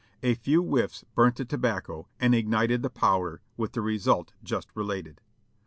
A few whiffs burnt the tobacco and ignited the powder with the result just related.